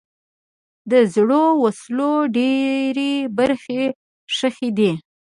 د زړو وسلو ډېری برخې ښخي دي.